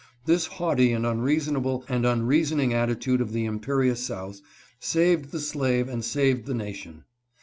This haughty and unreasonable and unreasoning attitude of the imperious South saved the slave and saved the nation.